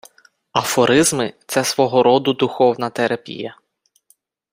Афоризми — це свого роду духовна терапія.